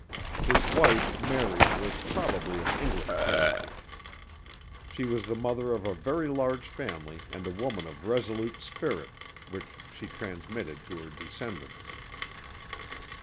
His wife, Mary, was probably of English parentage. She was the mother of a very large family and a woman of resolute spirit, which she transmitted to her descendants.